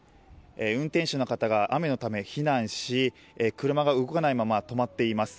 運転手の方が雨のため避難し車が動かないまま止まっています。